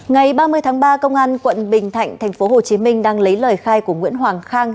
ngày ba mươi tháng ba công an quận bình thạnh thành phố hồ chí minh đang lấy lời khai của nguyễn hoàng khang